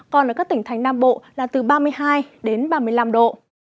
còn ở các tỉnh thành nam bộ là từ ba mươi hai đến ba mươi năm độ